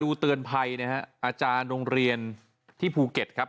เตือนภัยนะฮะอาจารย์โรงเรียนที่ภูเก็ตครับ